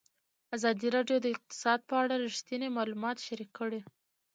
ازادي راډیو د اقتصاد په اړه رښتیني معلومات شریک کړي.